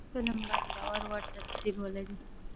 فلم باید باور وړ تمثیل ولري